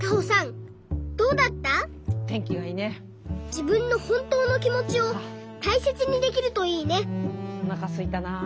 じぶんのほんとうのきもちをたいせつにできるといいねおなかすいたな。